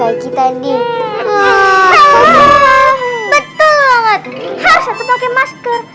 harusnya kita pake masker